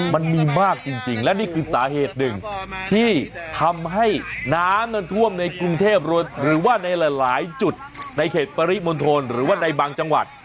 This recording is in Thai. มันมีมากจริงและนี่คือสาเหตุหนึ่งที่ทำให้น้ำนั้นท่วมในกรุงเทพหรือว่าในหลายจุดในเขตปริมณฑลหรือว่าในบางจังหวัด